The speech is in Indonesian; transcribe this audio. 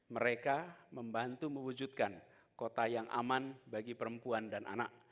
mereka membantu mewujudkan kota yang aman bagi perempuan dan anak